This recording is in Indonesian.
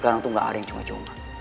kalau uang segini gue juga punya